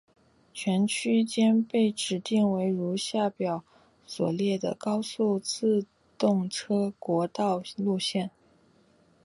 全区间被指定为如下表所列的高速自动车国道路线。